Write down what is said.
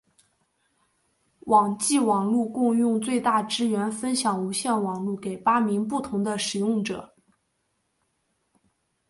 网际网路共用最大支援分享无线网路给八名不同的使用者。